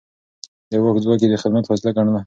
د واک ځواک يې د خدمت وسيله ګڼله.